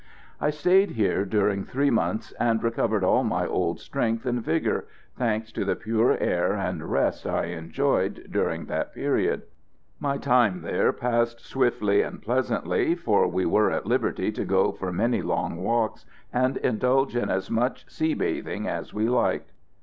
I stayed here during three months and recovered all my old strength and vigour, thanks to the pure air and rest I enjoyed during that period. My time there passed swiftly and pleasantly, for we were at liberty to go for many long walks, and indulge in as much sea bathing as we liked.